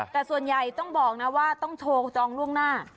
แต่ส่วนใหญ่ต้องบอกนะว่าต้องโชว์จองล่วงหน้า